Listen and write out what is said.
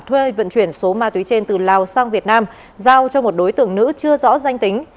thuê vận chuyển số ma túy trên từ lào sang việt nam giao cho một đối tượng nữ chưa rõ danh tính